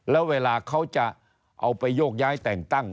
แล้วเวลาเขาจะเอาไปโยกย้ายแต่งตั้ง